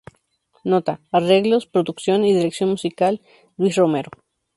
Nota: Arreglos, Producción y Dirección Musical: Luis Romero